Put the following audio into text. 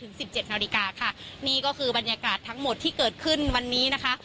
สิบเจ็ดนาฬิกาค่ะนี่ก็คือบรรยากาศทั้งหมดที่เกิดขึ้นวันนี้นะคะ